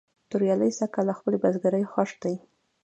توریالی سږ کال له خپلې بزگرۍ خوښ دی.